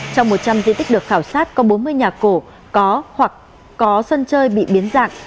trong một trăm linh di tích được khảo sát có bốn mươi nhà cổ có hoặc có sân chơi bị biến dạng